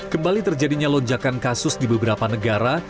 kembali terjadinya lonjakan kasus di beberapa negara